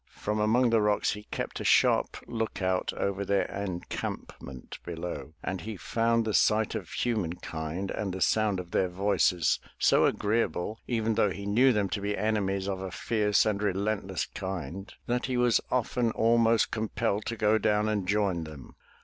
From among the rocks he kept a sharp lookout over their encampment below, and he found the sight of human kind and the sound of their voices so agreeable even though he knew them to be enemies of a fierce and relentless kind, that he was often almost compelled to go down and join them.